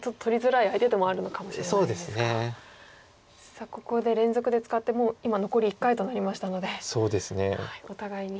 さあここで連続で使ってもう今残り１回となりましたのでお互いに。